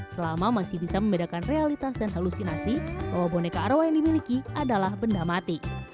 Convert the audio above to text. selama masih bisa membedakan realitas dan halusinasi bahwa boneka arwah yang dimiliki adalah benda mati